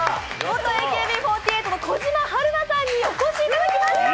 元ＡＫＢ４８の小嶋陽菜さんにお越しいただきました。